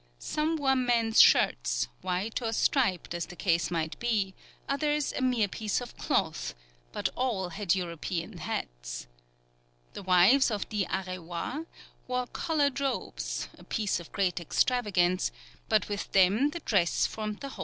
Some wore men's shirts, white or striped as the case might be, others a mere piece of cloth; but all had European hats. The wives of the Areois wore coloured robes, a piece of great extravagance, but with them the dress formed the whole costume.